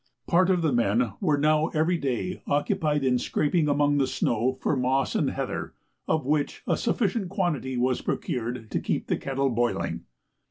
Part of the men were now every day occupied in scraping among the snow for moss and heather, of which a sufficient quantity was procured to keep the kettle boiling.